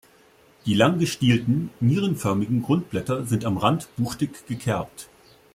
Die lang gestielten, nierenförmigen Grundblätter sind am Rand buchtig gekerbt.